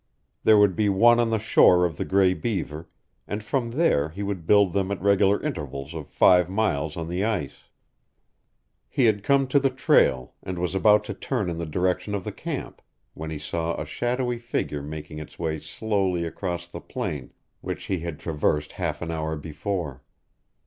There would be one on the shore of the Gray Beaver, and from there he would build them at regular intervals of five miles on the ice. He had come to the trail, and was about to turn in the direction of the camp, when he saw a shadowy figure making its way slowly across the plain which he had traversed half an hour before.